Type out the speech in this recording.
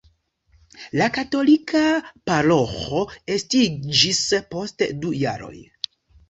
La katolika paroĥo estiĝis post du jaroj.